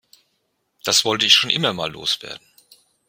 Das wollte ich schon immer mal loswerden.